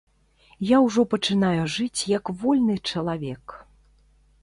Я ўжо пачынаю жыць як вольны чалавек.